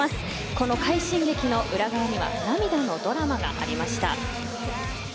この快進撃の裏側には涙のドラマがありました。